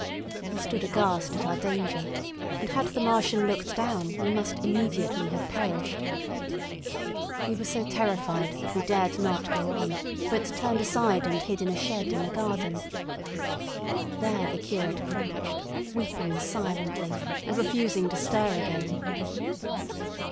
We stood aghast at our danger, and had the Martian looked down we must immediately have perished. We were so terrified that we dared not go on, but turned aside and hid in a shed in a garden. There the curate crouched, weeping silently, and refusing to stir again.